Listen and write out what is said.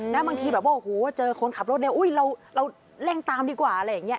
บางทีเจอคนขับรถเร็วอุ๊ยเราแรงตามดีกว่าอะไรอย่างนี้